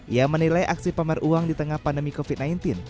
ia menilai aksi pamer uang di tengah pandemi covid sembilan belas